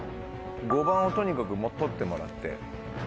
５番をとにかく取ってもらって。